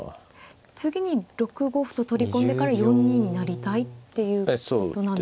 次に６五歩と取り込んでから４二に成りたいっていうことなんですか。